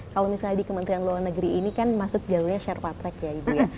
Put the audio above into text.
kalau misalnya di kementerian luar negeri ini kan masuk jalurnya sherpa track ya ibu ya